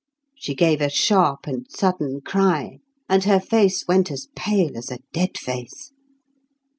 She gave a sharp and sudden cry, and her face went as pale as a dead face.